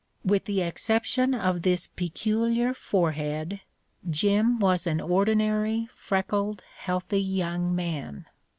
With the exception of this peculiar forehead, Jim was an ordinary freckled, healthy young man.